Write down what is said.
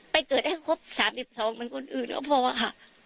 เกิดให้ครบ๓๒เหมือนคนอื่นก็พอค่ะ